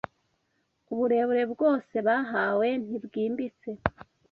Uburere bwose bahawe ntibwimbitse